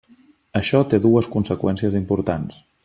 Això té dues conseqüències importants.